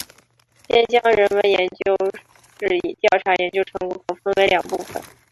边疆人文研究室调查研究成果可分为两部分。